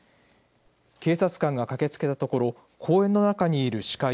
警察官が駆けつけたところ公園の中にいるシカ